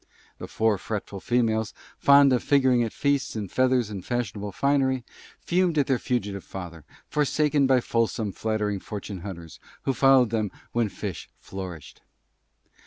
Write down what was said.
The Four Fretful Females, Fond of Figuring at Feasts in Feathers and Fashionable Finery, Fumed at their Fugitive Father, Forsaken by Fulsome, Flattering Fortune hunters, who Followed them when Fish Flourished.